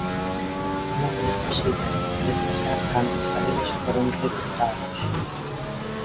Non é posíbel precisar cantos galegos foron recrutados.